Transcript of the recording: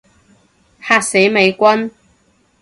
嚇死美軍